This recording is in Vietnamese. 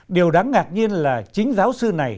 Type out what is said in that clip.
điều đáng ngạc nhiên là chính giáo sư này